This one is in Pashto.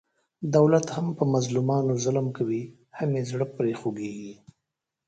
دولت هم په مظلومانو ظلم کوي، هم یې زړه پرې خوګېږي.